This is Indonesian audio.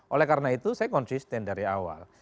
oleh karena itu saya konsisten dari awal